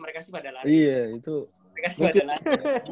mereka sih pada lari